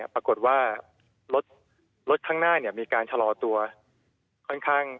ปรากฏว่ารถข้างหน้ามีการชะลอตัวค่อนข้าง